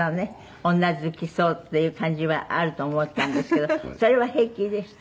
女好きそうっていう感じはあると思ったんですけどそれは平気でした？